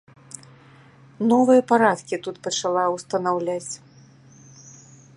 Новыя парадкі тут пачала ўстанаўляць.